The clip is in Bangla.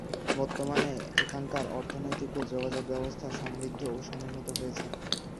বর্তমানে এখানকার অর্থনৈতিক ও যোগাযোগ ব্যবস্থা সমৃদ্ধ ও সমুন্নত হয়েছে।